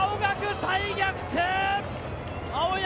再逆転！